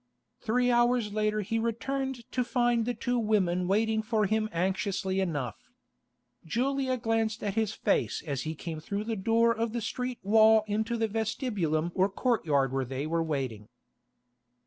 Three hours later he returned to find the two women waiting for him anxiously enough. Julia glanced at his face as he came through the door of the street wall into the vestibulum or courtyard where they were waiting.